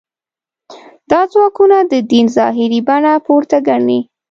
دا ځواکونه د دین ظاهري بڼه پورته ګڼي.